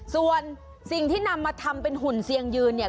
ส่วนสิ่งที่นำมาทำเป็นหุ่นเซียงยืนเนี่ย